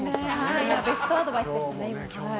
ベストアドバイスでしたね。